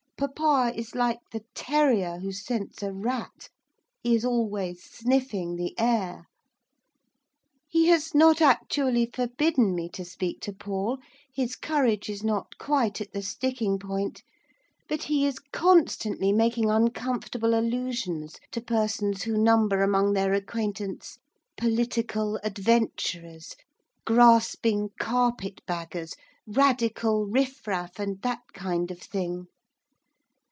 Papa is like the terrier who scents a rat, he is always sniffing the air. He has not actually forbidden me to speak to Paul, his courage is not quite at the sticking point; but he is constantly making uncomfortable allusions to persons who number among their acquaintance 'political adventurers,' 'grasping carpet baggers,' 'Radical riff raff,' and that kind of thing.